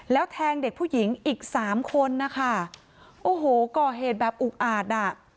แล้วแทงเด็กผู้หญิงอีกสามคนนะคะโอ้โหก่อเหตุแบบอุกอาจอ่ะ